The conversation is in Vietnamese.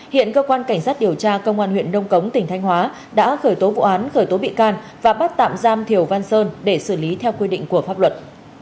hiện cơ quan cảnh sát điều tra công an huyện đông cống tỉnh thanh hóa đã khởi tố vụ án khởi tố bị can và bắt tạm giam thiểu văn sơn để xử lý theo quy định của pháp luật